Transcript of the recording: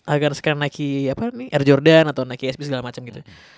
agar sekarang naik air jordan atau naik esp segala macem gitu